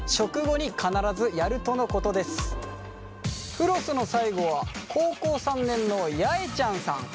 フロスの最後は高校３年のやえちゃんさん。